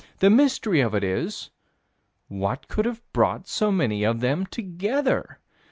The mystery of it is: What could have brought so many of them together?